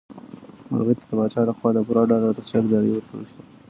مرغۍ ته د پاچا لخوا د پوره ډاډ او تسلیت ډالۍ ورکړل شوه.